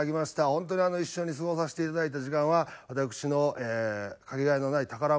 本当にあの一緒に過ごさせていただいた時間は私のかけがえのない宝物でございます。